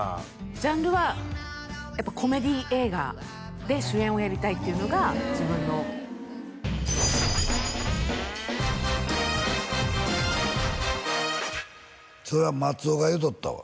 ジャンルはやっぱコメディー映画で主演をやりたいっていうのが自分のそれは松尾が言うとったわ